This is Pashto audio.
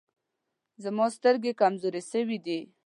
زما سترګي کمزوري سوي دی.